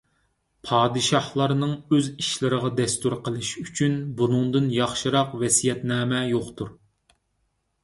پادىشاھلارنىڭ ئۆز ئىشىلىرىغا دەستۇر قىلىشى ئۈچۈن بۇنىڭدىن ياخشىراق ۋەسىيەتنامە يوقتۇر.